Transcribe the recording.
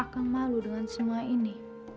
akan malu dengan semua ini